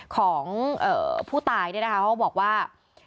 ของผู้ตายเนี่ยนะคะเขาบอกว่า